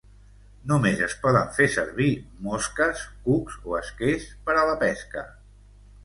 Només es poden fer servir mosques, cucs o esquers per a la pesca.